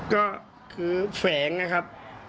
ก็คือแฝงนะครับ